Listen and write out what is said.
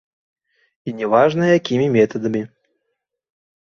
І не важна, якімі метадамі.